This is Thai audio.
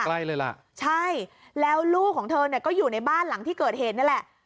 ใกล้เลยล่ะใช่แล้วลูกของเธอเนี่ยก็อยู่ในบ้านหลังที่เกิดเหตุนี่แหละ